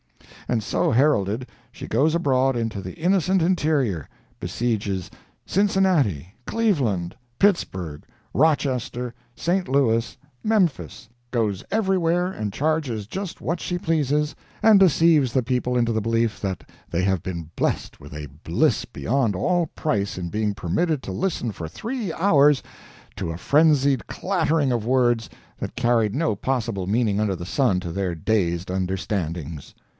And so heralded, she goes abroad into the innocent interior—besieges Cincinnati, Cleveland, Pittsburg, Rochester, St. Louis, Memphis—goes everywhere and charges just what she pleases, and deceives the people into the belief that they have been blessed with a bliss beyond all price in being permitted to listen for three hours to a frenzied clattering of words that carried no possible meaning under the sun to their dazed understandings.